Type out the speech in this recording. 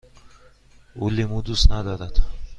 او لیمو دوست ندارد.